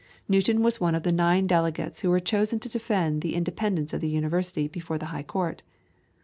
Newton was one of nine delegates who were chosen to defend the independence of the University before the High Court.